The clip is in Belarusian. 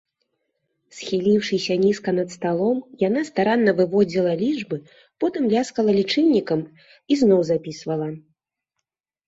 Схіліўшыся нізка над сталом, яна старанна выводзіла лічбы, потым ляскала лічыльнікам і зноў запісвала.